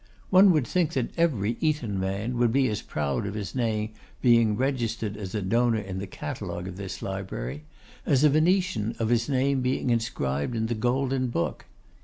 One would think that every Eton man would be as proud of his name being registered as a donor in the Catalogue of this Library, as a Venetian of his name being inscribed in the Golden Book.